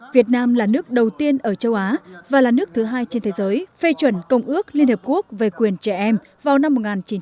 việt nam là nước đầu tiên ở châu á và là nước thứ hai trên thế giới phê chuẩn công ước liên hợp quốc về quyền trẻ em vào năm một nghìn chín trăm tám mươi